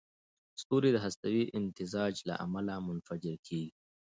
ستوري د هستوي امتزاج له امله منفجر کېږي.